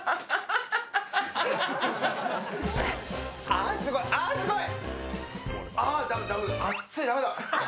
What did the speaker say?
あすごい、あすごい。